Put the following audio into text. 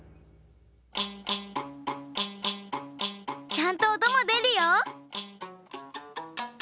ちゃんとおともでるよ！